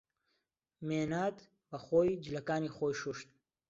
مێناد بەخۆی جلەکانی خۆی شووشت.